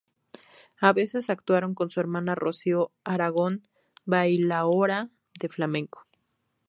A veces actuaron con su hermana Rocío Aragón, "bailaora" de flamenco.